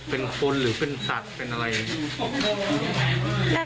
เป็นคนหรือเป็นสัตว์เป็นอะไร